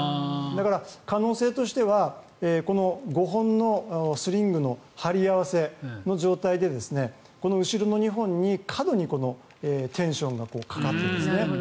だから、可能性としてはこの５本のスリングの張り合わせの状態で後ろの２本に過度にテンションがかかったんですね。